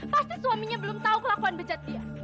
pasti suaminya belum tahu kelakuan becat dia